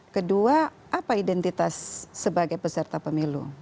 kedua apa identitas sebagai peserta pemilu